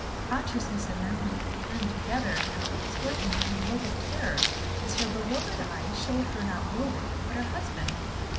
Consciousness and memory returned together, and her face whitened with a look of terror, as her bewildered eyes showed her not Warwick, but her husband.